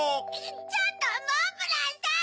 ちょっとモンブランさん！